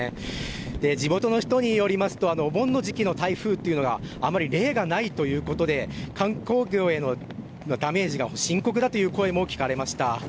地元の人によりますとお盆の時期の台風はあまり例がないということで観光業へのダメージが深刻だという声が聞かれました。